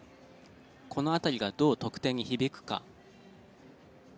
この辺りがどう得点に響くか。